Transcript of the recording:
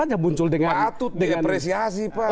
aja muncul patut diapresiasi pak